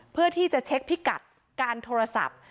เพื่อที่จะเช็คพิกัดการโทรศัพท์